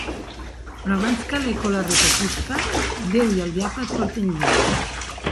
Però abans que l'eco la repetisca, Déu i el diable et porten lluny!